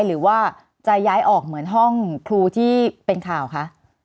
หรือว่าจะย้ายออกเหมือนห้องครูที่เป็นข่าวคะ